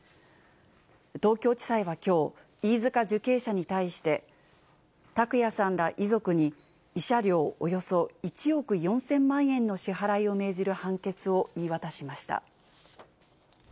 東京地裁はきょう、飯塚受刑者に対して、拓也さんら遺族に慰謝料およそ１億４０００万円の支払いを命じる判決を言い渡しました。